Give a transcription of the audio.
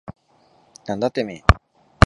なんだてめえ。